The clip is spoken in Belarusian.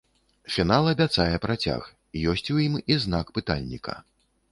Фінал абяцае працяг, ёсць у ім і знак пытальніка.